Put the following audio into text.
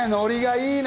いいね！